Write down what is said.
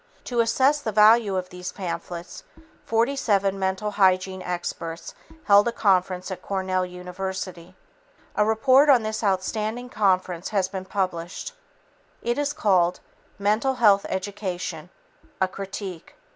To assess the value of these pamphlets, 47 mental hygiene experts held a conference at Cornell University. A report on this outstanding conference has been published. It is called "Mental Health Education: A Critique."